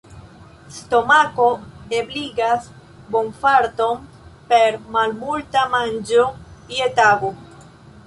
Stomako ebligas bonfarton per malmulta manĝo je tago.